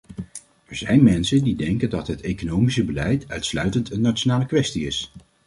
Er zijn mensen die denken dat het economisch beleid uitsluitend een nationale kwestie is.